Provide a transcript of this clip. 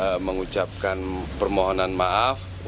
yang pertama mengucapkan permohonan maaf untuk pemulihan dari kodam jaya